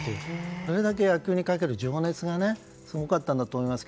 それだけ野球にかける情熱がすごかったんだと思います。